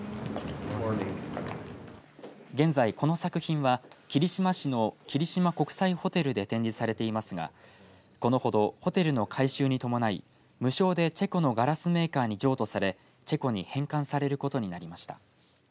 現在この作品は霧島市の霧島国際ホテルで展示されていますがこのほどホテルの改修に伴い無償でチェコのガラスメーカーに譲渡されチェコに返還されることになりました。